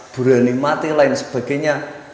burani mati lain sebagainya